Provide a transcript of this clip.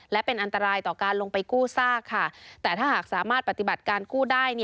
และเป็นอันตรายต่อการลงไปกู้ซากค่ะแต่ถ้าหากสามารถปฏิบัติการกู้ได้